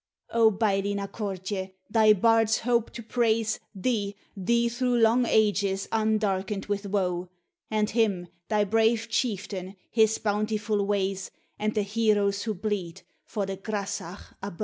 O, Baillie Na Cortie! thy bards hope to praise Thee, thee through long ages undarkened with woe; And him, thy brave chieftain, his bountiful ways, And the heroes who bleed for the Grasach Abo.